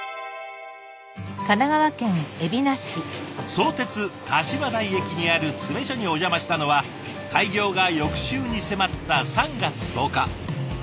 相鉄かしわ台駅にある詰め所にお邪魔したのは開業が翌週に迫った３月１０日。